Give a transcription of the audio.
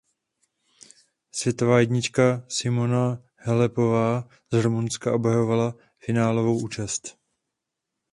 Světová jednička Simona Halepová z Rumunska obhajovala finálovou účast.